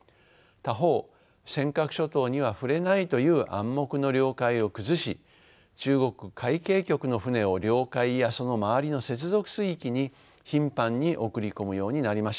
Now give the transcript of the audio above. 他方尖閣諸島には触れないという暗黙の了解を崩し中国海警局の船を領海やその周りの接続水域に頻繁に送り込むようになりました。